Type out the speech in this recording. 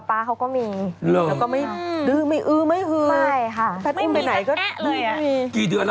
แพทอย่าขออนุญาตท่านึง